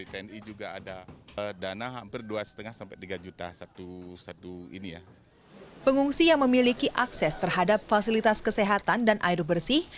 pengungsi yang memiliki akses terhadap fasilitas kesehatan dan air bersih